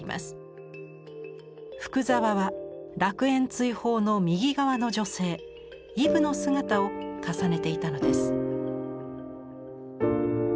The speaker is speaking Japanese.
福沢は「楽園追放」の右側の女性イヴの姿を重ねていたのです。